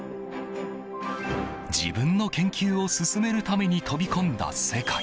自分の研究を進めるために飛び込んだ世界。